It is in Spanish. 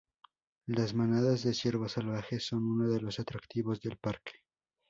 Las manadas de ciervos salvajes son uno de los atractivos del parque.